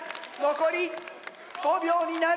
残り５秒になる。